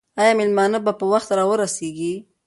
آیا مېلمانه به په وخت راورسېږي؟